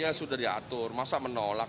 ya sudah diatur masa menolak